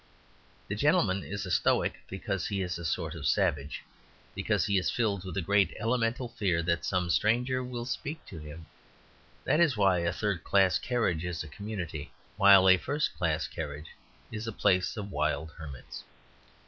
The gentleman is a Stoic because he is a sort of savage, because he is filled with a great elemental fear that some stranger will speak to him. That is why a third class carriage is a community, while a first class carriage is a place of wild hermits.